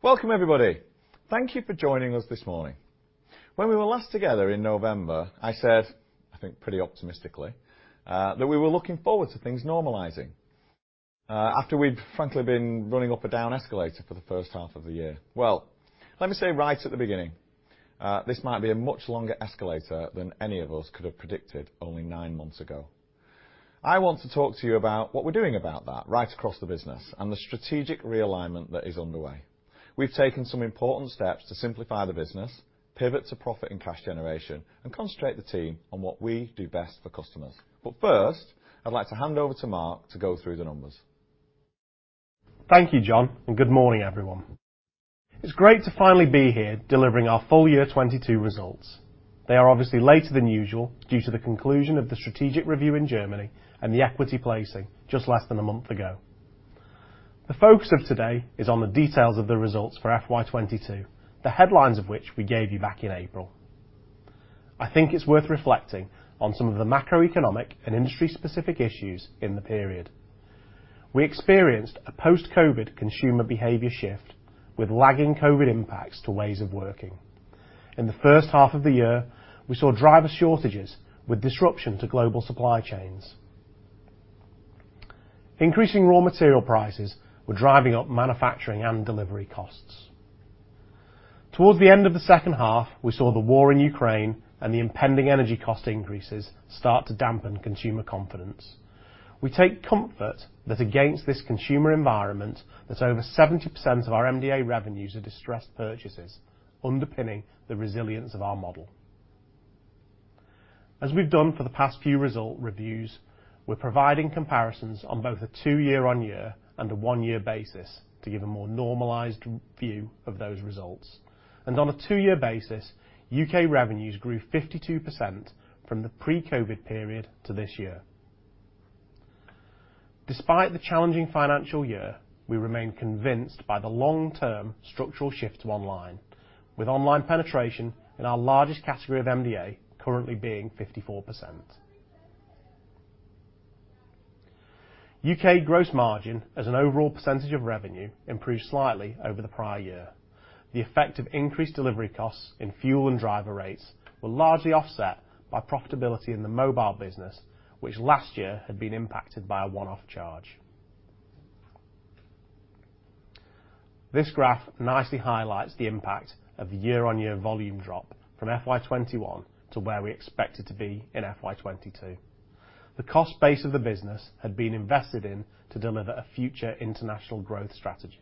Welcome everybody. Thank you for joining us this morning. When we were last together in November, I said, I think pretty optimistically, that we were looking forward to things normalizing, after we'd frankly been running up a down escalator for the first half of the year. Well, let me say right at the beginning, this might be a much longer escalator than any of us could have predicted only nine months ago. I want to talk to you about what we're doing about that right across the business and the strategic realignment that is underway. We've taken some important steps to simplify the business, pivot to profit and cash generation, and concentrate the team on what we do best for customers. First, I'd like to hand over to Mark to go through the numbers. Thank you, John, and good morning, everyone. It's great to finally be here delivering our full year 2022 results. They are obviously later than usual due to the conclusion of the strategic review in Germany and the equity placing just less than a month ago. The focus of today is on the details of the results for FY 2022, the headlines of which we gave you back in April. I think it's worth reflecting on some of the macroeconomic and industry-specific issues in the period. We experienced a post-COVID consumer behavior shift with lagging COVID impacts to ways of working. In the first half of the year, we saw driver shortages with disruption to global supply chains. Increasing raw material prices were driving up manufacturing and delivery costs. Towards the end of the second half, we saw the war in Ukraine and the impending energy cost increases start to dampen consumer confidence. We take comfort that against this consumer environment, that over 70% of our MDA revenues are distressed purchases, underpinning the resilience of our model. As we've done for the past few result reviews, we're providing comparisons on both a two-year-on-year and a one-year basis to give a more normalized view of those results. On a two-year basis, U.K. revenues grew 52% from the pre-COVID period to this year. Despite the challenging financial year, we remain convinced by the long-term structural shift to online, with online penetration in our largest category of MDA currently being 54%. U.K. gross margin as an overall percentage of revenue improved slightly over the prior year. The effect of increased delivery costs in fuel and driver rates were largely offset by profitability in the mobile business, which last year had been impacted by a one-off charge. This graph nicely highlights the impact of year-on-year volume drop from FY '21 to where we expect it to be in FY '22. The cost base of the business had been invested in to deliver a future international growth strategy.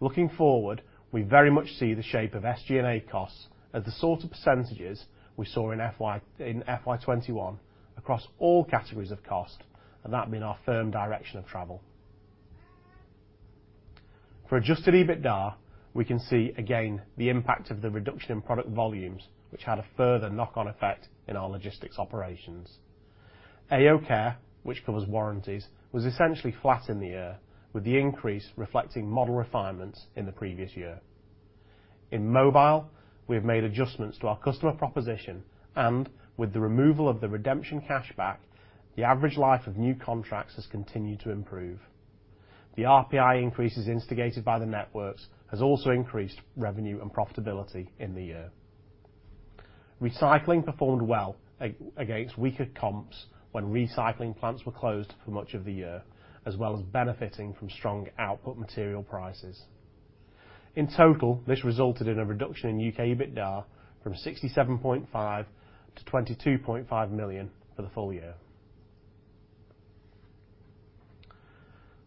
Looking forward, we very much see the shape of SG&A costs as the sort of percentages we saw in FY '21 across all categories of cost, and that being our firm direction of travel. For adjusted EBITDA, we can see again the impact of the reduction in product volumes, which had a further knock-on effect in our logistics operations. AO Care, which covers warranties, was essentially flat in the year, with the increase reflecting model refinements in the previous year. In mobile, we have made adjustments to our customer proposition, and with the removal of the redemption cashback, the average life of new contracts has continued to improve. The RPI increases instigated by the networks has also increased revenue and profitability in the year. Recycling performed well against weaker comps when recycling plants were closed for much of the year, as well as benefiting from strong output material prices. In total, this resulted in a reduction in UK EBITDA from 67.5 million to 22.5 million for the full year.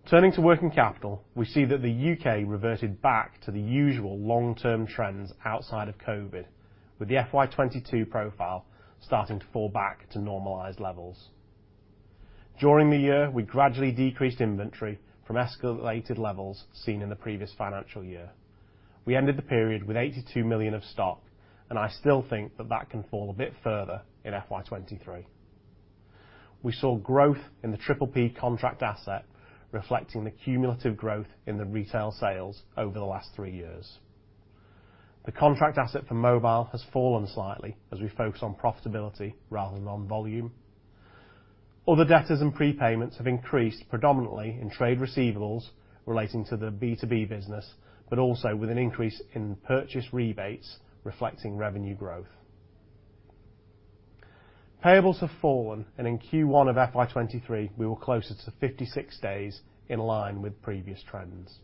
Turning to working capital, we see that the UK reverted back to the usual long-term trends outside of COVID, with the FY '22 profile starting to fall back to normalized levels. During the year, we gradually decreased inventory from escalated levels seen in the previous financial year. We ended the period with 82 million of stock, and I still think that can fall a bit further in FY '23. We saw growth in the Triple P contract asset, reflecting the cumulative growth in the retail sales over the last three years. The contract asset for mobile has fallen slightly as we focus on profitability rather than on volume. Other debtors and prepayments have increased predominantly in trade receivables relating to the B2B business, but also with an increase in purchase rebates reflecting revenue growth. Payables have fallen, and in Q1 of FY '23, we were closer to 56 days in line with previous trends.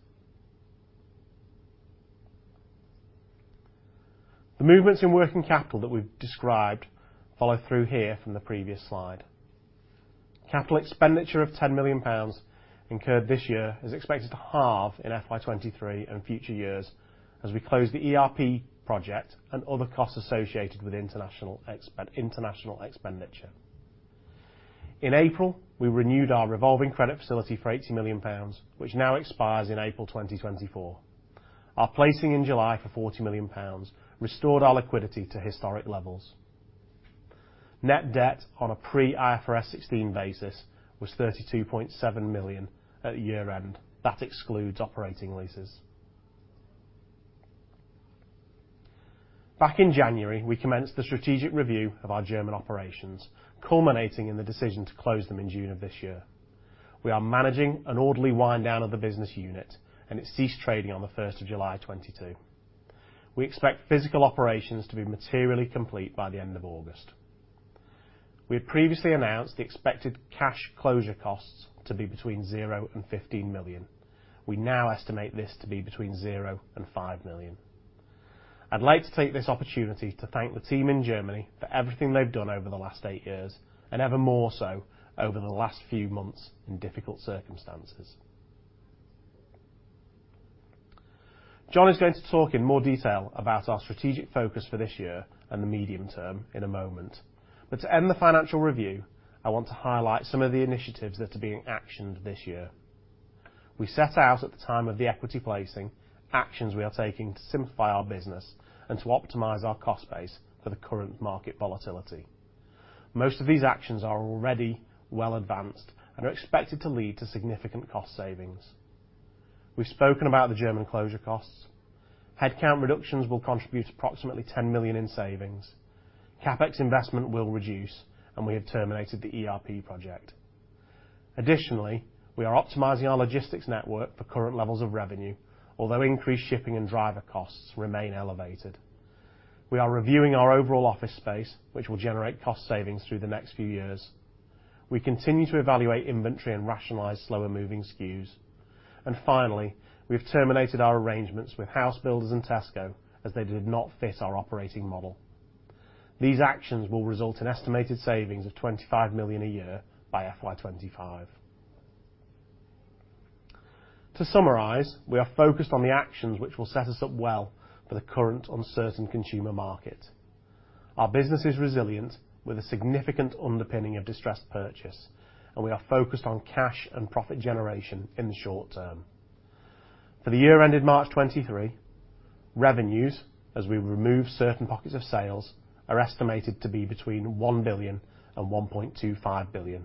The movements in working capital that we've described follow through here from the previous slide. Capital expenditure of 10 million pounds incurred this year is expected to halve in FY 2023 and future years as we close the ERP project and other costs associated with international expenditure. In April, we renewed our revolving credit facility for 80 million pounds, which now expires in April 2024. Our placing in July for 40 million pounds restored our liquidity to historic levels. Net debt on a pre-IFRS 16 basis was 32.7 million at year-end. That excludes operating leases. Back in January, we commenced the strategic review of our German operations, culminating in the decision to close them in June of this year. We are managing an orderly wind down of the business unit, and it ceased trading on the first of July 2022. We expect physical operations to be materially complete by the end of August. We had previously announced the expected cash closure costs to be between 0 and 15 million. We now estimate this to be between 0 and 5 million. I'd like to take this opportunity to thank the team in Germany for everything they've done over the last eight years, and ever more so over the last few months in difficult circumstances. John is going to talk in more detail about our strategic focus for this year and the medium term in a moment. To end the financial review, I want to highlight some of the initiatives that are being actioned this year. We set out at the time of the equity placing actions we are taking to simplify our business and to optimize our cost base for the current market volatility. Most of these actions are already well advanced and are expected to lead to significant cost savings. We've spoken about the German closure costs. Headcount reductions will contribute approximately 10 million in savings. CapEx investment will reduce, and we have terminated the ERP project. Additionally, we are optimizing our logistics network for current levels of revenue, although increased shipping and driver costs remain elevated. We are reviewing our overall office space, which will generate cost savings through the next few years. We continue to evaluate inventory and rationalize slower moving SKUs. Finally, we've terminated our arrangements with house builders and Tesco as they did not fit our operating model. These actions will result in estimated savings of 25 million a year by FY25. To summarize, we are focused on the actions which will set us up well for the current uncertain consumer market. Our business is resilient with a significant underpinning of distressed purchase, and we are focused on cash and profit generation in the short term. For the year ended March 2023, revenues, as we remove certain pockets of sales, are estimated to be between 1 billion and 1.25 billion,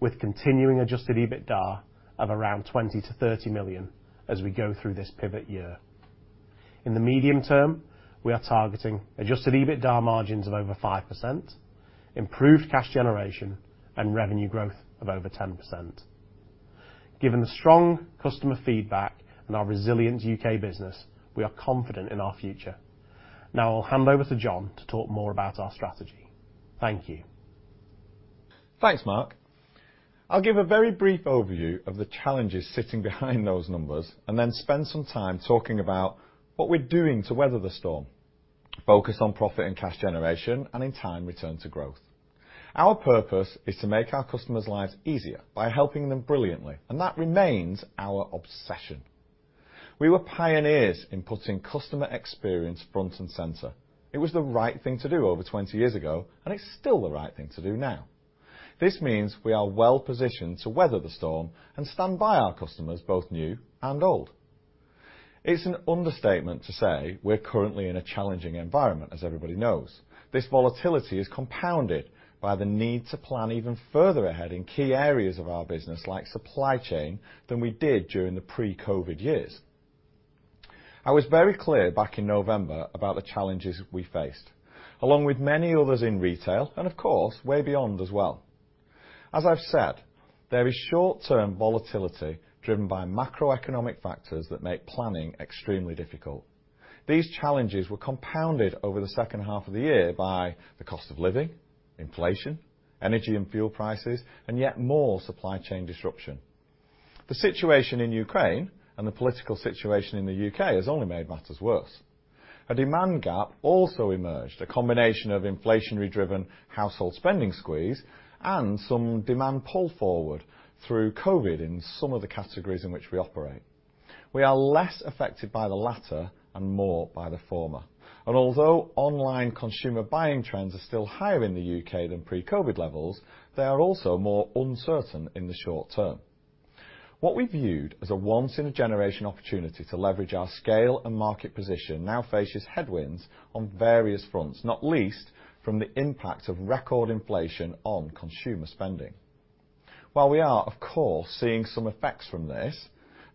with continuing adjusted EBITDA of around 20 million-30 million as we go through this pivot year. In the medium term, we are targeting adjusted EBITDA margins of over 5%, improved cash generation, and revenue growth of over 10%. Given the strong customer feedback and our resilient U.K. business, we are confident in our future. Now I'll hand over to John to talk more about our strategy. Thank you. Thanks, Mark. I'll give a very brief overview of the challenges sitting behind those numbers and then spend some time talking about what we're doing to weather the storm, focus on profit and cash generation, and in time, return to growth. Our purpose is to make our customers' lives easier by helping them brilliantly, and that remains our obsession. We were pioneers in putting customer experience front and center. It was the right thing to do over 20 years ago, and it's still the right thing to do now. This means we are well-positioned to weather the storm and stand by our customers, both new and old. It's an understatement to say we're currently in a challenging environment, as everybody knows. This volatility is compounded by the need to plan even further ahead in key areas of our business like supply chain than we did during the pre-COVID years. I was very clear back in November about the challenges we faced, along with many others in retail and of course, way beyond as well. As I've said, there is short-term volatility driven by macroeconomic factors that make planning extremely difficult. These challenges were compounded over the second half of the year by the cost of living, inflation, energy and fuel prices, and yet more supply chain disruption. The situation in Ukraine and the political situation in the UK has only made matters worse. A demand gap also emerged, a combination of inflationary-driven household spending squeeze and some demand pulled forward through COVID in some of the categories in which we operate. We are less affected by the latter and more by the former. Although online consumer buying trends are still higher in the UK than pre-COVID levels, they are also more uncertain in the short term. What we viewed as a once in a generation opportunity to leverage our scale and market position now faces headwinds on various fronts, not least from the impact of record inflation on consumer spending. While we are, of course, seeing some effects from this,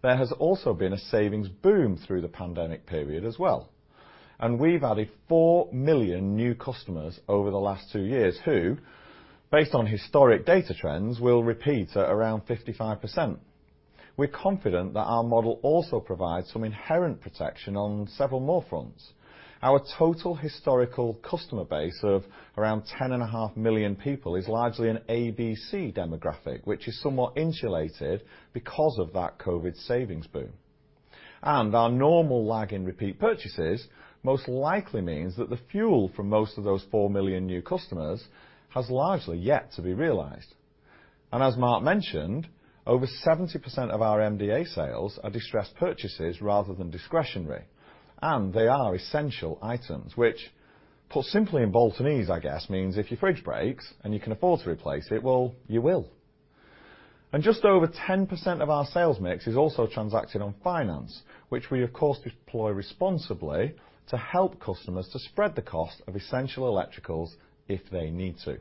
there has also been a savings boom through the pandemic period as well. We've added 4 million new customers over the last 2 years who, based on historic data trends, will repeat at around 55%. We're confident that our model also provides some inherent protection on several more fronts. Our total historical customer base of around 10.5 million people is largely an ABC demographic, which is somewhat insulated because of that COVID savings boom. Our normal lag in repeat purchases most likely means that the fuel for most of those 4 million new customers has largely yet to be realized. As Mark mentioned, over 70% of our MDA sales are distressed purchases rather than discretionary, and they are essential items, which, put simply in Boltonese, I guess, means if your fridge breaks and you can afford to replace it, well, you will. Just over 10% of our sales mix is also transacted on finance, which we of course deploy responsibly to help customers to spread the cost of essential electricals if they need to.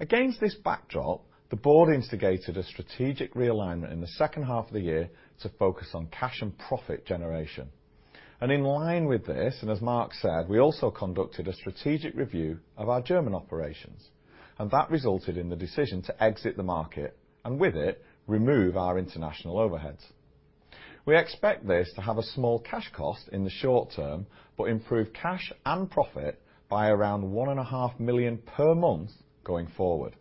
Against this backdrop, the board instigated a strategic realignment in the second half of the year to focus on cash and profit generation. In line with this, and as Mark said, we also conducted a strategic review of our German operations, and that resulted in the decision to exit the market, and with it, remove our international overheads. We expect this to have a small cash cost in the short term, but improve cash and profit by around 1.5 million per month going forward.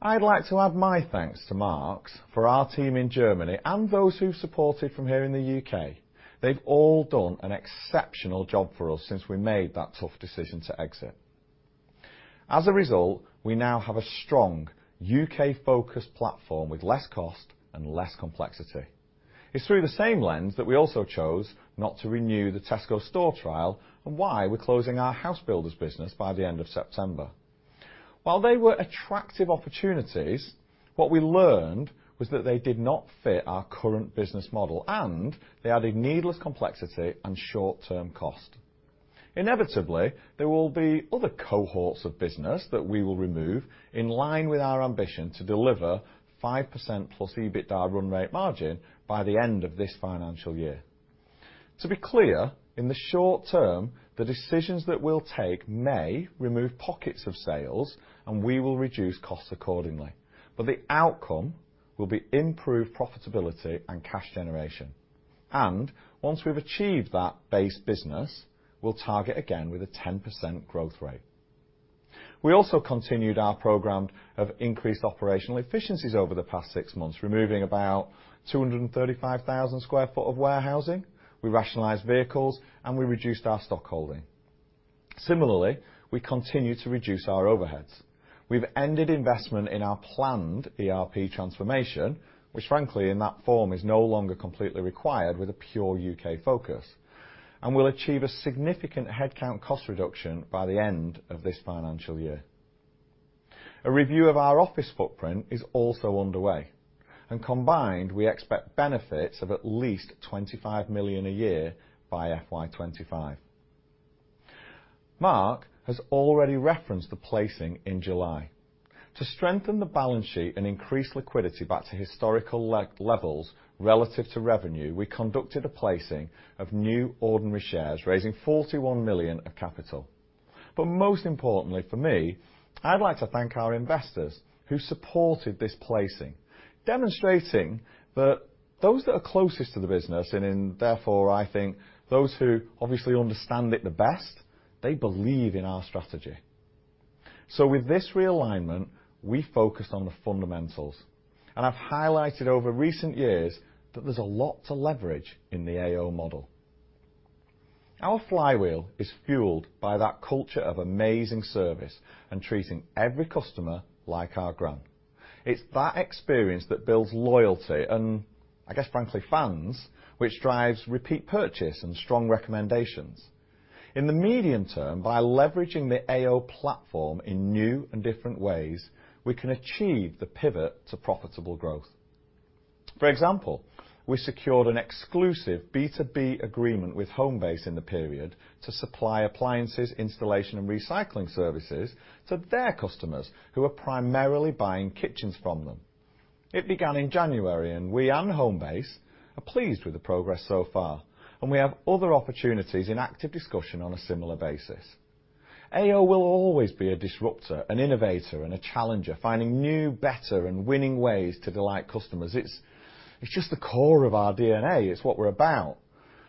I'd like to add my thanks to Mark for our team in Germany and those who supported from here in the U.K. They've all done an exceptional job for us since we made that tough decision to exit. As a result, we now have a strong U.K.-focused platform with less cost and less complexity. It's through the same lens that we also chose not to renew the Tesco store trial and why we're closing our house builders business by the end of September. While they were attractive opportunities, what we learned was that they did not fit our current business model, and they added needless complexity and short-term cost. Inevitably, there will be other cohorts of business that we will remove in line with our ambition to deliver 5%+ EBITDA run rate margin by the end of this financial year. To be clear, in the short term, the decisions that we'll take may remove pockets of sales, and we will reduce costs accordingly. The outcome will be improved profitability and cash generation. Once we've achieved that base business, we'll target again with a 10% growth rate. We also continued our program of increased operational efficiencies over the past six months, removing about 235,000 sq ft of warehousing. We rationalized vehicles, and we reduced our stock holding. Similarly, we continue to reduce our overheads. We've ended investment in our planned ERP transformation, which frankly, in that form, is no longer completely required with a pure UK focus and will achieve a significant headcount cost reduction by the end of this financial year. A review of our office footprint is also underway, and combined, we expect benefits of at least 25 million a year by FY25. Mark has already referenced the placing in July. To strengthen the balance sheet and increase liquidity back to historical levels relative to revenue, we conducted a placing of new ordinary shares, raising 41 million of capital. Most importantly for me, I'd like to thank our investors who supported this placing, demonstrating that those that are closest to the business, and then therefore, I think those who obviously understand it the best, they believe in our strategy. With this realignment, we focus on the fundamentals. I've highlighted over recent years that there's a lot to leverage in the AO model. Our flywheel is fueled by that culture of amazing service and treating every customer like our gran. It's that experience that builds loyalty and I guess frankly, fans, which drives repeat purchase and strong recommendations. In the medium term, by leveraging the AO platform in new and different ways, we can achieve the pivot to profitable growth. For example, we secured an exclusive B2B agreement with Homebase in the period to supply appliances, installation, and recycling services to their customers who are primarily buying kitchens from them. It began in January, and we and Homebase are pleased with the progress so far, and we have other opportunities in active discussion on a similar basis. AO will always be a disruptor, an innovator, and a challenger, finding new, better, and winning ways to delight customers. It's just the core of our DNA. It's what we're about.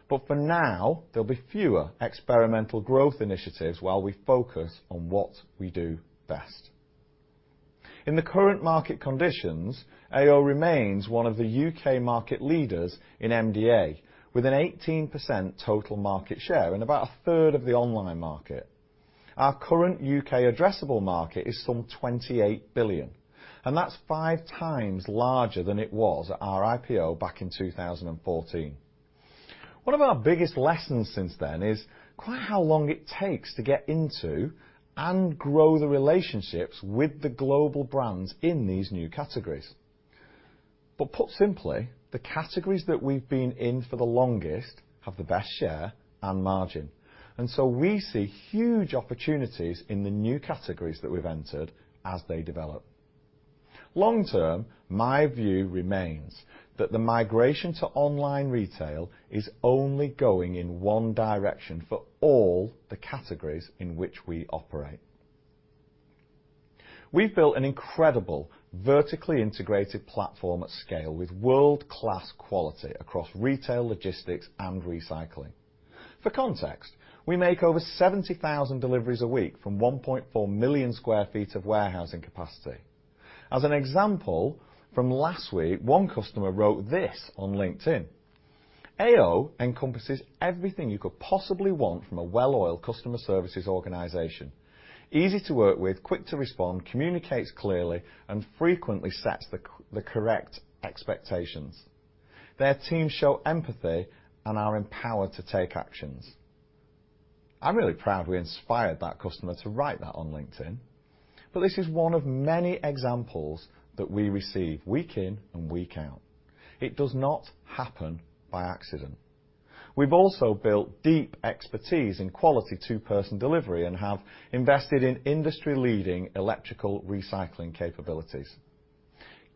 For now, there'll be fewer experimental growth initiatives while we focus on what we do best. In the current market conditions, AO remains one of the UK market leaders in MDA with an 18% total market share and about 1/3 of the online market. Our current UK addressable market is some 28 billion, and that's five times larger than it was at our IPO back in 2014. One of our biggest lessons since then is quite how long it takes to get into and grow the relationships with the global brands in these new categories. Put simply, the categories that we've been in for the longest have the best share and margin. We see huge opportunities in the new categories that we've entered as they develop. Long term, my view remains that the migration to online retail is only going in one direction for all the categories in which we operate. We've built an incredible vertically integrated platform at scale with world-class quality across retail, logistics, and recycling. For context, we make over 70,000 deliveries a week from 1.4 million sq ft of warehousing capacity. As an example from last week, one customer wrote this on LinkedIn: AO encompasses everything you could possibly want from a well-oiled customer services organization. Easy to work with, quick to respond, communicates clearly, and frequently sets the correct expectations. Their teams show empathy and are empowered to take actions. I'm really proud we inspired that customer to write that on LinkedIn, but this is one of many examples that we receive week in and week out. It does not happen by accident. We've also built deep expertise in quality two-person delivery and have invested in industry-leading electrical recycling capabilities.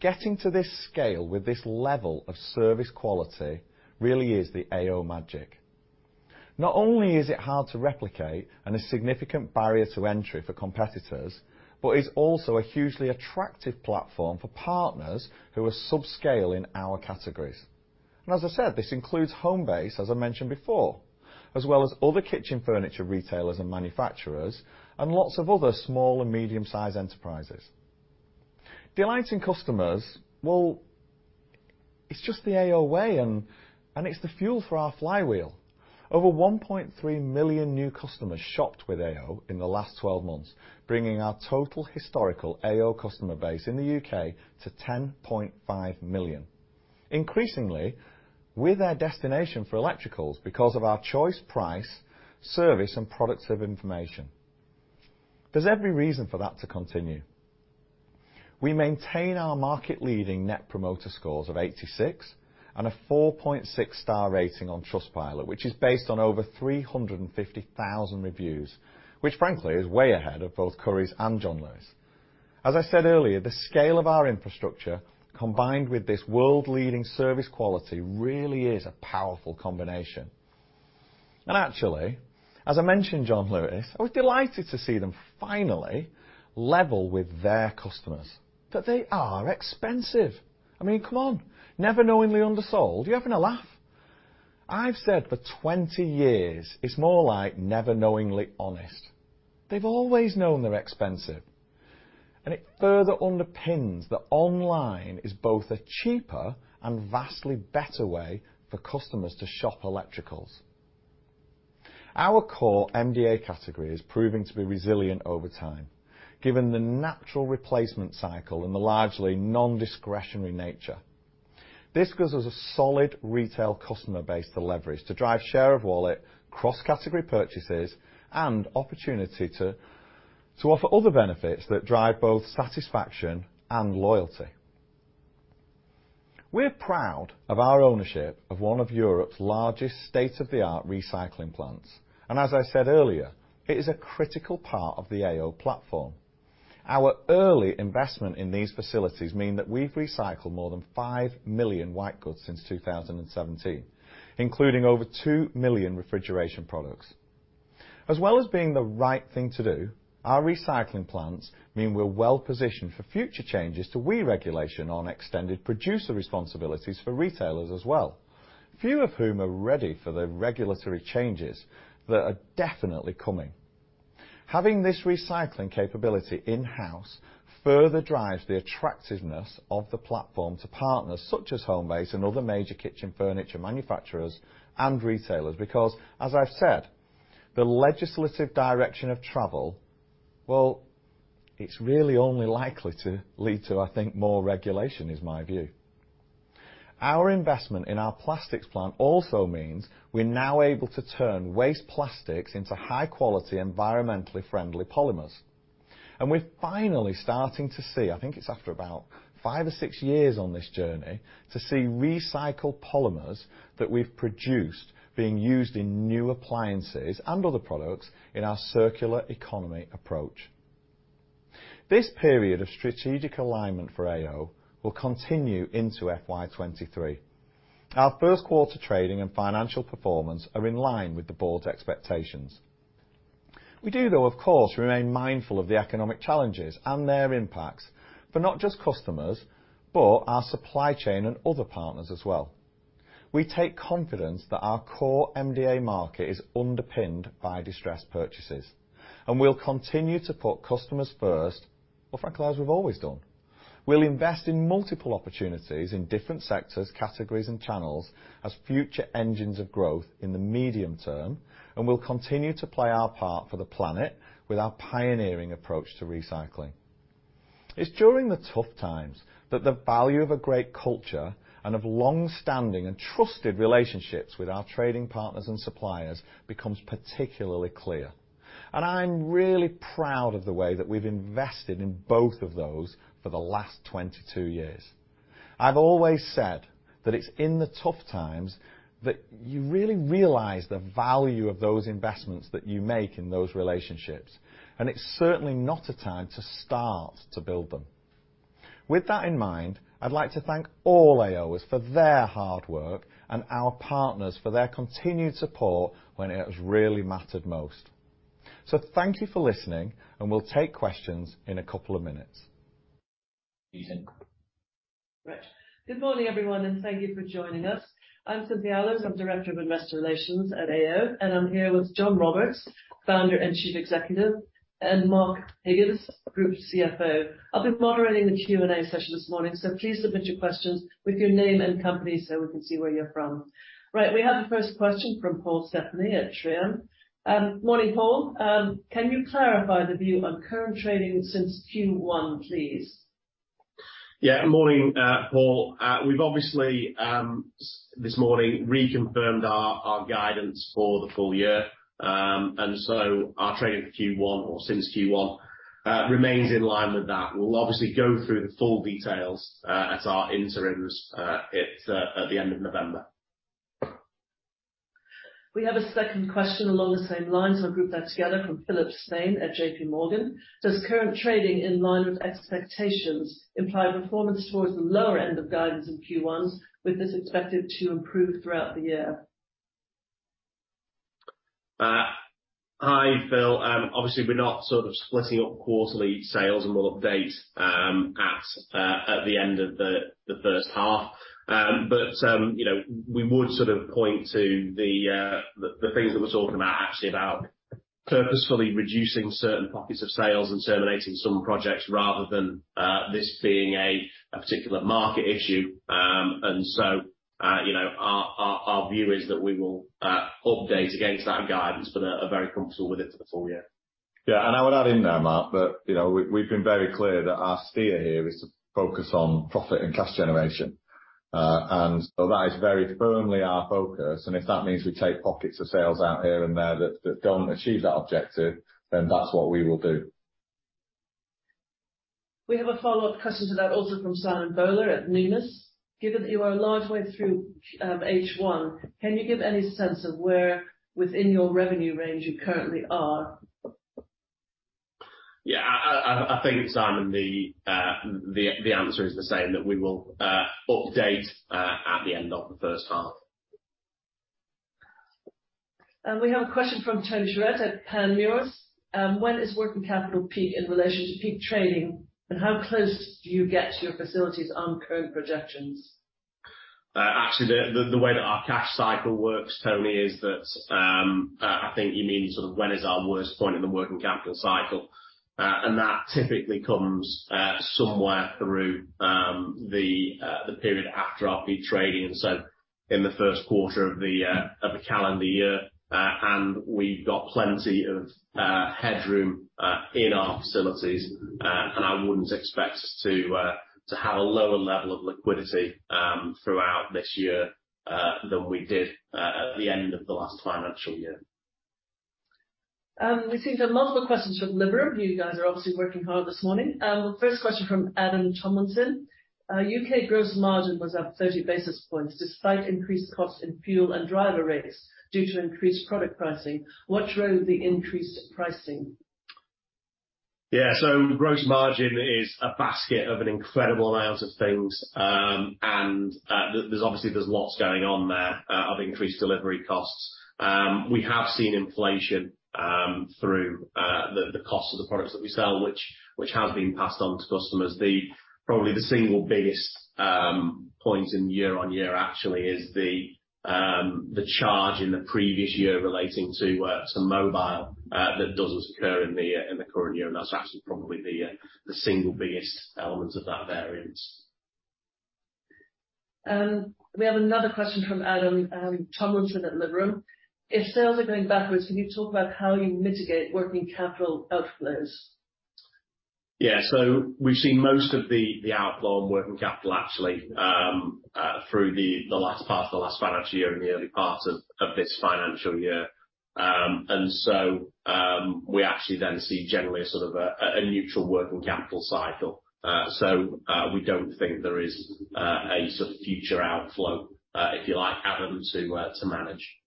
Getting to this scale with this level of service quality really is the AO magic. Not only is it hard to replicate and a significant barrier to entry for competitors, but it's also a hugely attractive platform for partners who are subscale in our categories. As I said, this includes Homebase, as I mentioned before, as well as other kitchen furniture retailers and manufacturers and lots of other small and medium-sized enterprises. Delighting customers, well, it's just the AO way and it's the fuel for our flywheel. Over 1.3 million new customers shopped with AO in the last 12 months, bringing our total historical AO customer base in the UK to 10.5 million. Increasingly, we're their destination for electricals because of our choice, price, service, and product information. There's every reason for that to continue. We maintain our market-leading net promoter scores of 86 and a 4.6 star rating on Trustpilot, which is based on over 350,000 reviews, which frankly is way ahead of both Currys and John Lewis. As I said earlier, the scale of our infrastructure, combined with this world-leading service quality, really is a powerful combination. Actually, as I mentioned John Lewis, I was delighted to see them finally level with their customers that they are expensive. I mean, come on. Never Knowingly Undersold? You having a laugh? I've said for 20 years, it's more like never knowingly honest. They've always known they're expensive. It further underpins that online is both a cheaper and vastly better way for customers to shop electricals. Our core MDA category is proving to be resilient over time, given the natural replacement cycle and the largely nondiscretionary nature. This gives us a solid retail customer base to leverage to drive share of wallet, cross-category purchases, and opportunity to offer other benefits that drive both satisfaction and loyalty. We're proud of our ownership of one of Europe's largest state-of-the-art recycling plants. As I said earlier, it is a critical part of the AO platform. Our early investment in these facilities mean that we've recycled more than 5 million white goods since 2017, including over 2 million refrigeration products. As well as being the right thing to do, our recycling plants mean we're well-positioned for future changes to WEEE regulation on extended producer responsibilities for retailers as well, few of whom are ready for the regulatory changes that are definitely coming. Having this recycling capability in-house further drives the attractiveness of the platform to partners such as Homebase and other major kitchen furniture manufacturers and retailers because, as I've said, the legislative direction of travel, well, it's really only likely to lead to, I think, more regulation is my view. Our investment in our plastics plant also means we're now able to turn waste plastics into high-quality, environmentally friendly polymers. We're finally starting to see, I think it's after about 5 or 6 years on this journey, to see recycled polymers that we've produced being used in new appliances and other products in our circular economy approach. This period of strategic alignment for AO will continue into FY '23. Our first quarter trading and financial performance are in line with the board's expectations. We do though of course remain mindful of the economic challenges and their impacts for not just customers, but our supply chain and other partners as well. We take confidence that our core MDA market is underpinned by distressed purchases and we'll continue to put customers first, well, frankly, as we've always done. We'll invest in multiple opportunities in different sectors, categories, and channels as future engines of growth in the medium term, and we'll continue to play our part for the planet with our pioneering approach to recycling. It's during the tough times that the value of a great culture and of long-standing and trusted relationships with our trading partners and suppliers becomes particularly clear. I'm really proud of the way that we've invested in both of those for the last 22 years. I've always said that it's in the tough times that you really realize the value of those investments that you make in those relationships, and it's certainly not a time to start to build them. With that in mind, I'd like to thank all AOers for their hard work and our partners for their continued support when it has really mattered most. Thank you for listening, and we'll take questions in a couple of minutes. Right. Good morning, everyone, and thank you for joining us. I'm Cynthia Alers, Director of Investor Relations at AO, and I'm here with John Roberts, Founder and Chief Executive, and Mark Higgins, Group CFO. I'll be moderating the Q&A session this morning, so please submit your questions with your name and company so we can see where you're from. Right. We have the first question from Anca Stanculescu at Trian. Morning, Paul. Can you clarify the view on current trading since Q1, please? Yeah. Morning, Anca. We've obviously this morning reconfirmed our guidance for the full year. Our trading for Q1 or since Q1 remains in line with that. We'll obviously go through the full details at our interims at the end of November. We have a second question along the same lines. I'll group that together from Georgina Johanan at J.P. Morgan. Does current trading in line with expectations imply performance towards the lower end of guidance in Q1 with this expected to improve throughout the year? Hi, Phil. Obviously, we're not sort of splitting up quarterly sales, and we'll update at the end of the first half. You know, we would sort of point to the things that we're talking about actually about purposefully reducing certain pockets of sales and terminating some projects rather than this being a particular market issue. You know, our view is that we will update against that guidance but are very comfortable with it for the full year. I would add in there, Mark, that, you know, we've been very clear that our steer here is to focus on profit and cash generation. That is very firmly our focus, and if that means we take pockets of sales out here and there that don't achieve that objective, then that's what we will do. We have a follow-up question to that also from Simon Bowler at Numis. Given that you are a long way through H1, can you give any sense of where within your revenue range you currently are? Yeah. I think, Simon, the answer is the same, that we will update at the end of the first half. We have a question from Tony Cross at Panmure. When is working capital peak in relation to peak trading, and how close do you get to your facilities on current projections? Actually, the way that our cash cycle works, Tony, is that I think you mean sort of when is our worst point in the working capital cycle. That typically comes somewhere through the period after our peak trading, so in the first quarter of the calendar year. We've got plenty of headroom in our facilities. I wouldn't expect us to have a lower level of liquidity throughout this year than we did at the end of the last financial year. We seem to have multiple questions from Liberum. You guys are obviously working hard this morning. First question from Adam Tomlinson. UK gross margin was up 30 basis points despite increased costs in fuel and driver rates due to increased product pricing. What drove the increased pricing? Yeah. Gross margin is a basket of an incredible amount of things. There's obviously lots going on there, of increased delivery costs. We have seen inflation through the cost of the products that we sell which has been passed on to customers. Probably the single biggest point in year-on-year actually is the charge in the previous year relating to mobile that doesn't occur in the current year, and that's actually probably the single biggest element of that variance. We have another question from Adam Tomlinson at Liberum. If sales are going backwards, can you talk about how you mitigate working capital outflows? Yeah. We've seen most of the outflow on working capital actually through the last part of the last financial year and the early part of this financial year. We actually then see generally a sort of a neutral working capital cycle. We don't think there is a sort of future outflow, if you like, Adam, to manage.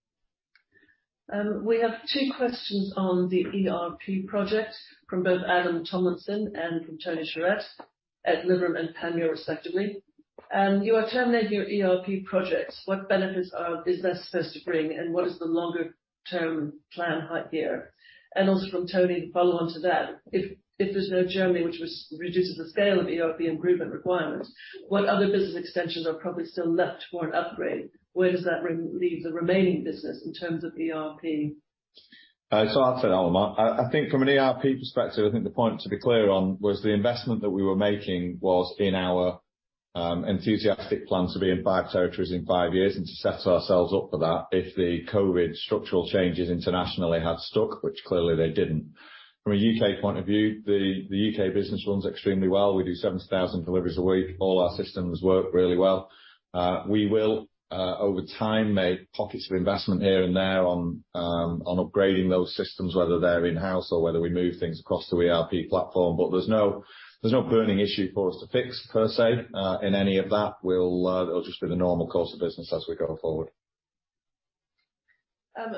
We have two questions on the ERP project from both Adam Tomlinson and from Tony Cross at Liberum and Panmure respectively. You are terminating your ERP projects. What benefits is the business supposed to bring, and what is the longer-term plan here? Also from Tony to follow on to that. If there's no journey which reduces the scale of ERP improvement requirements, what other business extensions are probably still left for an upgrade? Where does that leave the remaining business in terms of ERP? I'll start that one, Mark. I think from an ERP perspective, I think the point to be clear on was the investment that we were making was in our ambitious plan to be in 5 territories in 5 years and to set ourselves up for that if the COVID structural changes internationally had stuck, which clearly they didn't. From a U.K. point of view, the U.K. business runs extremely well. We do 7,000 deliveries a week. All our systems work really well. We will, over time, make pockets of investment here and there on upgrading those systems, whether they're in-house or whether we move things across the ERP platform. There's no burning issue for us to fix per se, in any of that. Well, it'll just be the normal course of business as we go forward.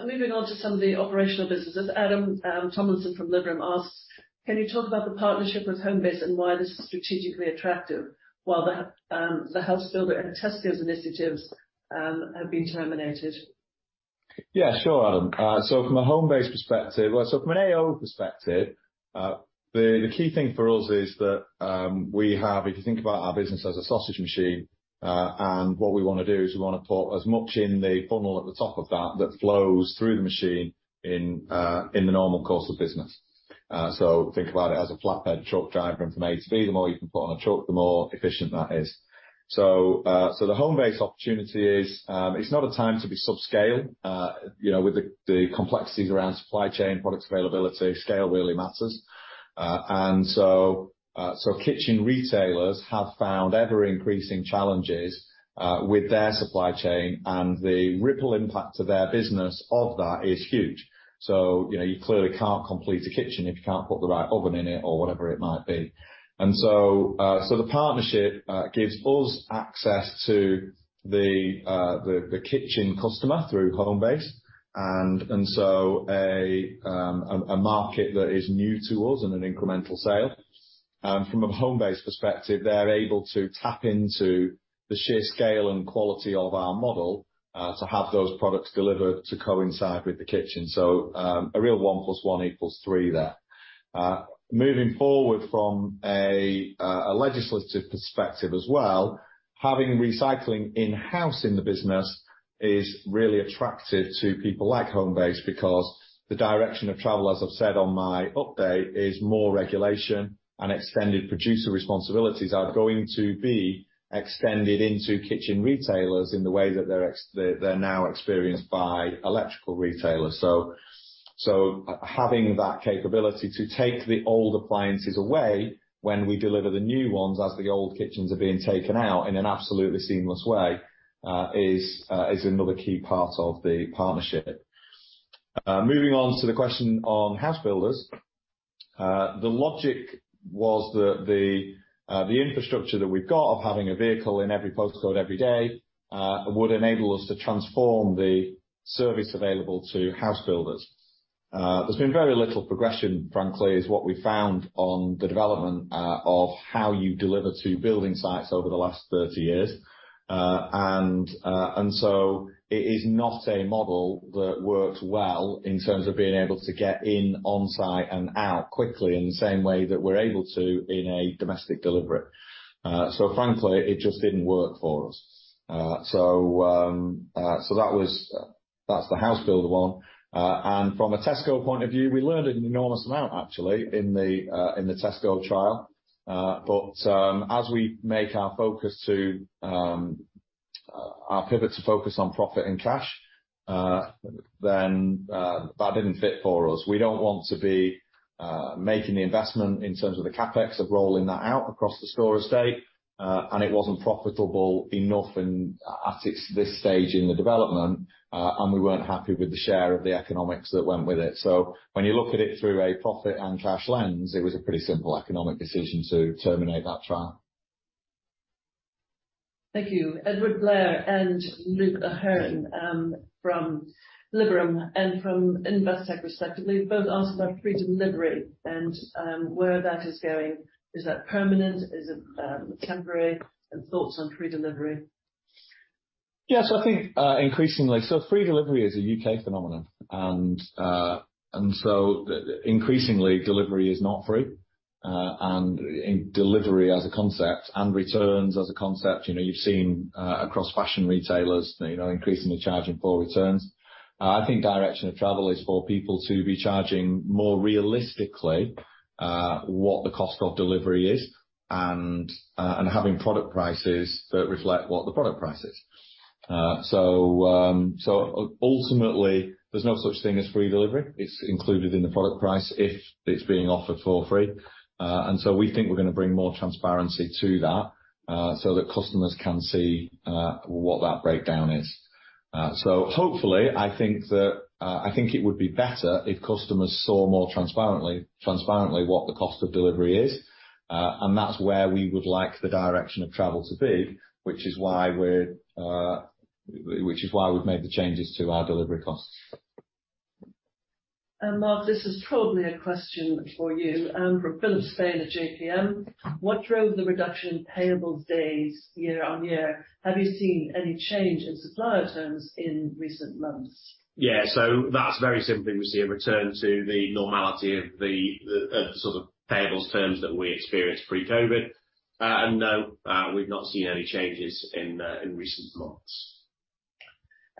Moving on to some of the operational businesses. Adam Tomlinson from Liberum asks, can you talk about the partnership with Homebase and why this is strategically attractive while the House Builder and Tesco's initiatives have been terminated? Yeah. Sure, Adam. Well, from an AO perspective, the key thing for us is that if you think about our business as a sausage machine, and what we wanna do is put as much in the funnel at the top of that that flows through the machine in the normal course of business. Think about it as a flatbed truck driver from A to B. The more you can put on a truck, the more efficient that is. The Homebase opportunity is it's not a time to be subscale. You know, with the complexities around supply chain, product availability, scale really matters. Kitchen retailers have found ever-increasing challenges with their supply chain, and the ripple impact to their business of that is huge. You know, you clearly can't complete a kitchen if you can't put the right oven in it or whatever it might be. The partnership gives us access to the kitchen customer through Homebase, and a market that is new to us and an incremental sale. From a Homebase perspective, they're able to tap into the sheer scale and quality of our model to have those products delivered to coincide with the kitchen. A real one plus one equals three there. Moving forward from a legislative perspective as well, having recycling in-house in the business is really attractive to people like Homebase because the direction of travel, as I've said on my update, is more regulation and extended producer responsibilities are going to be extended into kitchen retailers in the way that they're now experienced by electrical retailers. Having that capability to take the old appliances away when we deliver the new ones as the old kitchens are being taken out in an absolutely seamless way is another key part of the partnership. Moving on to the question on house builders. The logic was that the infrastructure that we've got of having a vehicle in every postcode every day would enable us to transform the service available to house builders. There's been very little progression, frankly, is what we found on the development of how you deliver to building sites over the last 30 years. It is not a model that works well in terms of being able to get in on-site and out quickly in the same way that we're able to in a domestic delivery. Frankly, it just didn't work for us. That's the house builder one. From a Tesco point of view, we learned an enormous amount actually in the Tesco trial. As we make our focus to our pivot to focus on profit and cash, then that didn't fit for us. We don't want to be making the investment in terms of the CapEx of rolling that out across the store estate, and it wasn't profitable enough and at this stage in the development, and we weren't happy with the share of the economics that went with it. When you look at it through a profit and cash lens, it was a pretty simple economic decision to terminate that trial. Thank you. Edward Blair and Anubhav Malhotra, from Liberum and from Investec, respectively, both asked about free delivery and where that is going. Is that permanent? Is it temporary? Thoughts on free delivery. Yes, I think increasingly. Free delivery is a UK phenomenon, and increasingly delivery is not free, and in delivery as a concept and returns as a concept, you know, you've seen across fashion retailers, you know, increasingly charging for returns. I think direction of travel is for people to be charging more realistically what the cost of delivery is and having product prices that reflect what the product price is. Ultimately, there's no such thing as free delivery. It's included in the product price if it's being offered for free. We think we're gonna bring more transparency to that, so that customers can see what that breakdown is. Hopefully, I think it would be better if customers saw more transparently what the cost of delivery is. That's where we would like the direction of travel to be, which is why we've made the changes to our delivery costs. Mark, this is probably a question for you, from Georgina Johanan at JPM. What drove the reduction in payables days year-over-year? Have you seen any change in supplier terms in recent months? Yeah. That's very simply, we see a return to the normality of the sort of payables terms that we experienced pre-COVID. No, we've not seen any changes in recent months.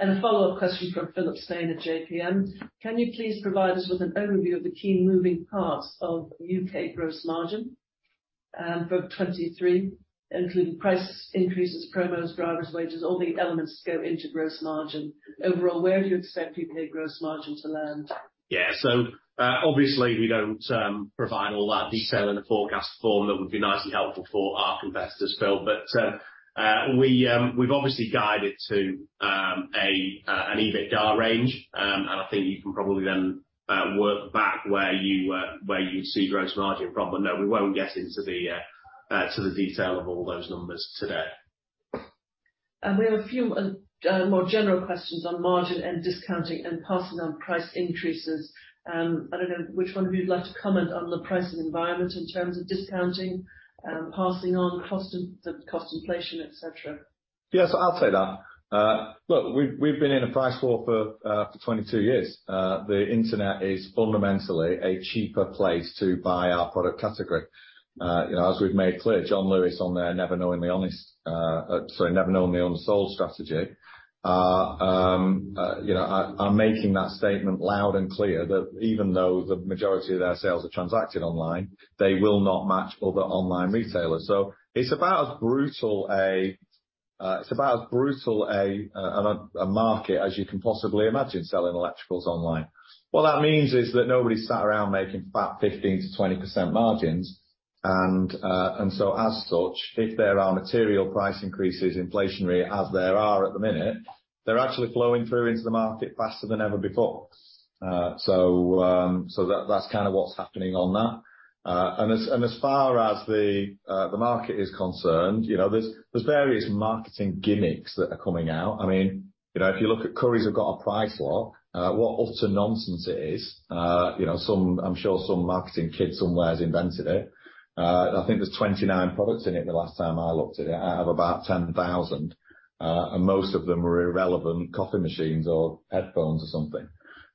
A follow-up question from Georgina Johanan at JPM. Can you please provide us with an overview of the key moving parts of UK gross margin for 2023, including price increases, promos, drivers, wages, all the elements go into gross margin. Overall, where do you expect UK gross margin to land? Yeah. Obviously, we don't provide all that detail in a forecast form that would be nice and helpful for our investors, Phil. We obviously guided to an EBITDA range. I think you can probably then work back where you'd see gross margin from. No, we won't get into the detail of all those numbers today. We have a few more general questions on margin and discounting and passing on price increases. I don't know which one of you would like to comment on the pricing environment in terms of discounting, passing on cost, the cost inflation, et cetera. Yes, I'll take that. Look, we've been in a price war for 22 years. The Internet is fundamentally a cheaper place to buy our product category. You know, as we've made clear, John Lewis on their never knowingly undersold strategy, you know, are making that statement loud and clear that even though the majority of their sales are transacted online, they will not match other online retailers. It's about as brutal a market as you can possibly imagine selling electricals online. What that means is that nobody's sat around making fat 15%-20% margins. As such, if there are material price increases inflationary as there are at the minute, they're actually flowing through into the market faster than ever before. That's kinda what's happening on that. As far as the market is concerned, you know, there's various marketing gimmicks that are coming out. I mean, you know, if you look at Currys have got a Price Lock, what utter nonsense it is. You know, I'm sure some marketing kid somewhere has invented it. I think there's 29 products in it the last time I looked at it, out of about 10,000. Most of them were irrelevant coffee machines or headphones or something.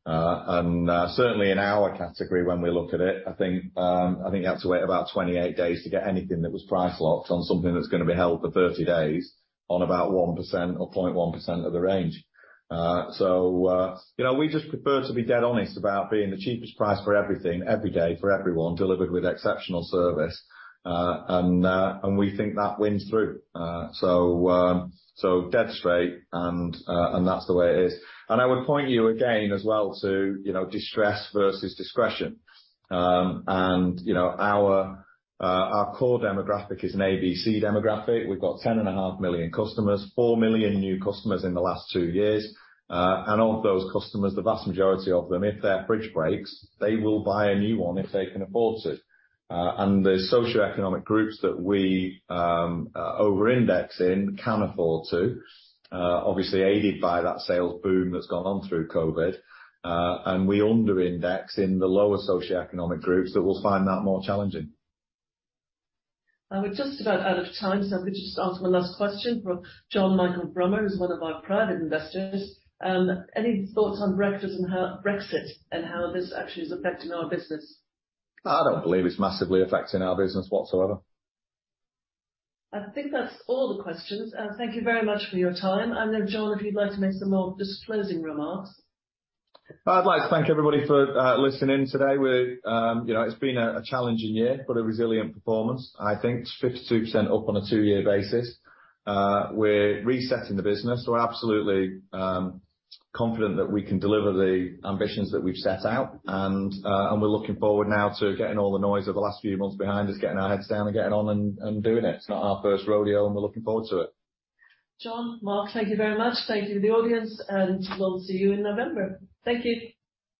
Certainly in our category, when we look at it, I think you have to wait about 28 days to get anything that was Price Lock on something that's gonna be held for 30 days on about 1% or 0.1% of the range. You know, we just prefer to be dead honest about being the cheapest price for everything, every day, for everyone, delivered with exceptional service. We think that wins through. Dead straight and that's the way it is. I would point you again as well to, you know, distress versus discretion. You know, our core demographic is an ABC demographic. We've got 10.5 million customers, 4 million new customers in the last two years. All of those customers, the vast majority of them, if their fridge breaks, they will buy a new one if they can afford to. The socioeconomic groups that we over-index in can afford to, obviously aided by that sales boom that's gone on through COVID. We under-index in the lower socioeconomic groups that will find that more challenging. We're just about out of time, so let me just ask the last question from John Michael Brummer, who's one of our private investors. Any thoughts on Brexit and how this actually is affecting our business? I don't believe it's massively affecting our business whatsoever. I think that's all the questions. Thank you very much for your time. John, if you'd like to make some more just closing remarks. I'd like to thank everybody for listening today. You know, it's been a challenging year, but a resilient performance. I think it's 52% up on a two-year basis. We're resetting the business. We're absolutely confident that we can deliver the ambitions that we've set out. We're looking forward now to getting all the noise of the last few months behind us, getting our heads down and getting on and doing it. It's not our first rodeo, and we're looking forward to it. John, Mark, thank you very much. Thank you to the audience, and we'll see you in November. Thank you.